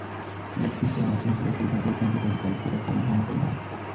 লক্ষ্মী স্বয়ং আসেন সেটা সৌভাগ্য, কিন্তু তার দায়িত্বটা কম ভয়ংকর নয়।